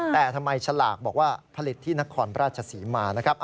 แต่ทำไมฉลากบอกว่าผลิตที่นครราชศรีมานะครับ